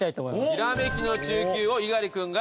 ひらめきの中級を猪狩君が挑戦すると。